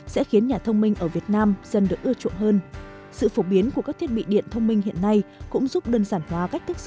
sẽ khiến nhà thông minh ở việt nam không thể tìm hiểu được